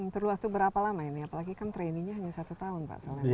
perlu waktu berapa lama ini apalagi kan trainingnya hanya satu tahun pak sunary